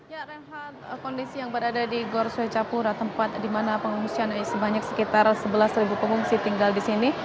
ya reinhardt kondisi yang berada di gor swecapura tempat di mana pengungsian sebanyak sekitar sebelas pengungsi tinggal di sini